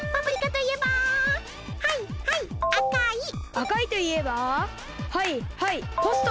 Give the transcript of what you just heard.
あかいといえばはいはいポスト！